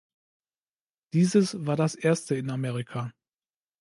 Dieses war das erste in Amerika.